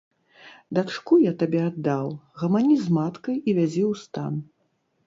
Дачку я табе аддаў, гамані з маткай і вязі ў стан.